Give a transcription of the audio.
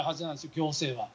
行政は。